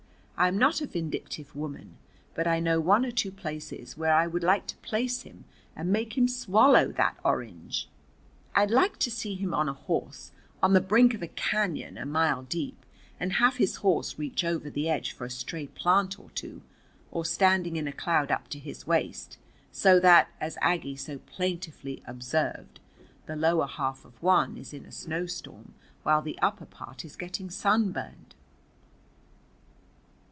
I am not a vindictive woman, but I know one or two places where I would like to place him and make him swallow that orange. I'd like to see him on a horse, on the brink of a cañon a mile deep, and have his horse reach over the edge for a stray plant or two, or standing in a cloud up to his waist, so that, as Aggie so plaintively observed, "The lower half of one is in a snowstorm while the upper part is getting sunburned."